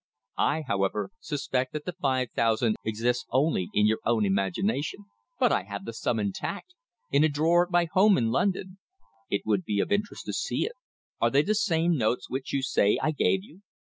I however, suspect that the five thousand exists only in your own imagination." "But I have the sum intact in a drawer at my home in London." "It would be of interest to see it. Are they the same notes which you say I gave you?"